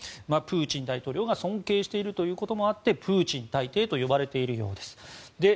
プーチン大統領が尊敬しているということもあってプーチン大帝と呼ばれているようです。